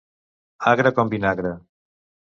Agre com vinagre.